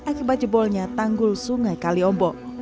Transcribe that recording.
akibat jebolnya tanggul sungai kaliombo